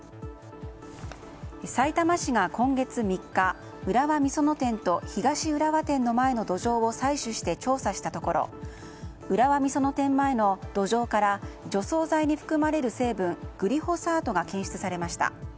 さいたま市が今月３日浦和美園店と東浦和店の前の土壌を採取して調査したところ浦和美園店前の土壌から除草剤に含まれる成分グリホサートが検出されました。